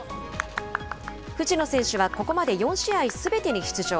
藤野選手はここまで４試合すべてに出場。